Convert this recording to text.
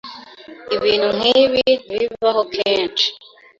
Ibintu nkibi ntibibaho kenshi.